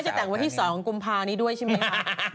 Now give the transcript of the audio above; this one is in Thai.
พี่ม้าจะแต่งวันที่สองกรุมภานี้ด้วยใช่ไหมครับ